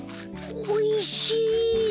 おいしい！